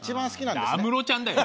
いや安室ちゃんだよ。